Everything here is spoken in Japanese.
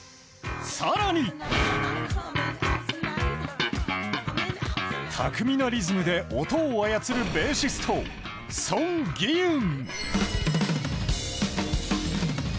更に巧みなリズムで音を操るベーシスト、ソン・ギユン。